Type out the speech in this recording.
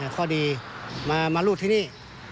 ข้อดีมารูดที่นี่